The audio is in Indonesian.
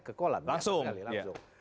ke kolam langsung